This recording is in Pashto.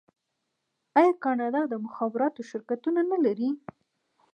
آیا کاناډا د مخابراتو شرکتونه نلري؟